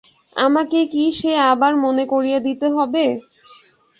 আমাকে কি সে আবার মনে করিয়ে দিতে হবে!